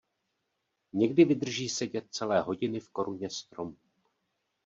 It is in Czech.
Někdy vydrží sedět celé hodiny v koruně stromu.